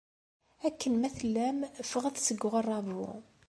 Akken ma tellam, ffɣet seg uɣerrabu!